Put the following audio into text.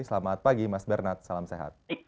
selamat pagi mas bernard salam sehat